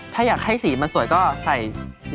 ถ้าอยากให้สีมันสวยก็ใส่